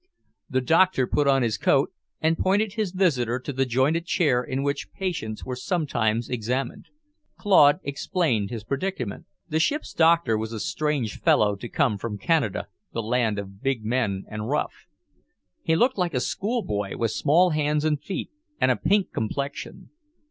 The doctor put on his coat and pointed his visitor to the jointed chair in which patients were sometimes examined. Claude explained his predicament. The ship's doctor was a strange fellow to come from Canada, the land of big men and rough. He looked like a schoolboy, with small hands and feet and a pink complexion.